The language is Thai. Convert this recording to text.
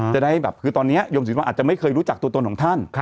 จะได้แบบคือตอนนี้โยมศิลปะอาจจะไม่เคยรู้จักตัวตนของท่าน